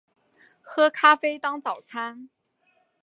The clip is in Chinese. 喝咖啡当早餐